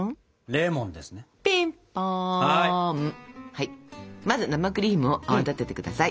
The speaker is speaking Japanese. はいまず生クリーム泡立ててください。